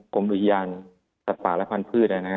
กรมอุทยานสัตว์ป่าและพันธุ์